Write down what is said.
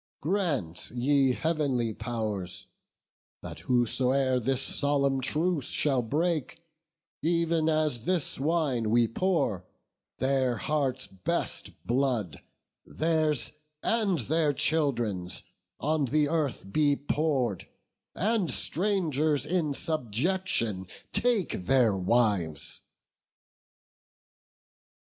grant, ye heav'nly pow'rs, That whosoe'er this solemn truce shall break, Ev'n as this wine we pour, their hearts' best blood, Theirs and their children's, on the earth be pour'd, And strangers in subjection take their wives!"